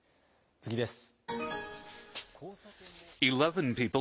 次です。